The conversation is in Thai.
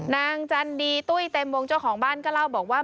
จันดีตุ้ยเต็มวงเจ้าของบ้านก็เล่าบอกว่า